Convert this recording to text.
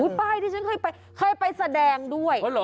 อุ๊ยไปดิฉันเคยไปเคยไปแสดงด้วย